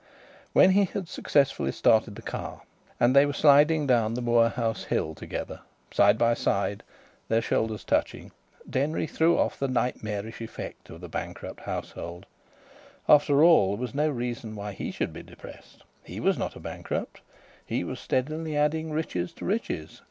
When he had successfully started the car, and they were sliding down the Moorthorne hill together, side by side, their shoulders touching, Denry threw off the nightmarish effect of the bankrupt household. After all, there was no reason why he should be depressed. He was not a bankrupt. He was steadily adding riches to riches.